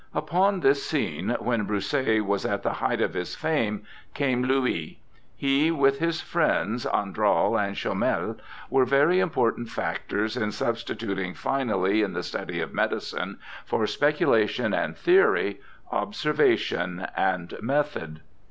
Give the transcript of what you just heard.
Upon this scene, when Broussais was at the height of his fame, came Louis. He, with his friends Andral and Chomel, were very important factors in substituting finally in the study of medicine, for speculation and theory, observation and method.